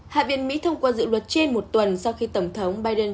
hạ viện mỹ thông qua dự luật trên một tuần sau khi tổng thống biden